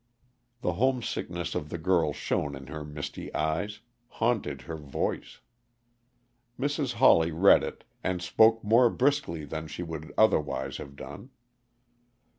The homesickness of the girl shone in her misty eyes, haunted her voice. Mrs. Hawley read it, and spoke more briskly than she would otherwise have done.